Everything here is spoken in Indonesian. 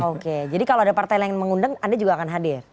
oke jadi kalau ada partai lain yang mengundang anda juga akan hadir